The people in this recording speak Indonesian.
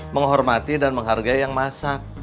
menghormati dan menghargai yang masak